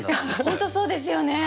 本当そうですよね。